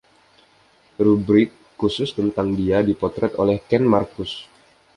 Rubrik khusus tentang dia dipotret oleh Ken Marcus.